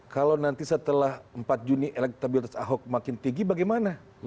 kalau nanti setelah empat juni elektabilitas ahok makin tinggi bagaimana